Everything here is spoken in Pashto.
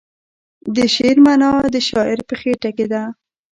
د شعر معنی د شاعر په خیټه کې ده.